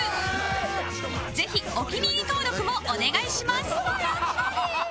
ぜひお気に入り登録もお願いします